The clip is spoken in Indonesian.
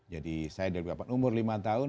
jadi saya dari balikpapan umur lima tahun